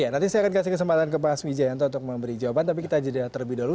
nanti saya akan kasih kesempatan ke pak hasmi jayanto untuk memberi jawaban tapi kita jeda terlebih dahulu